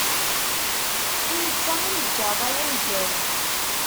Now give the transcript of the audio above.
I netta i neǧǧa rray aneggaru.